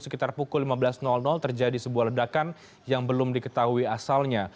sekitar pukul lima belas terjadi sebuah ledakan yang belum diketahui asalnya